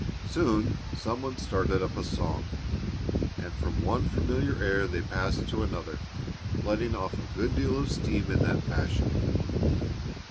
Soon some one started up a song, and from one familiar air they passed to another, letting off a good deal of steam in that fashion.